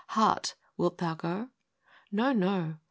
Heart, wilt thou go ?—" No, no!